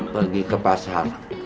pergi ke pasar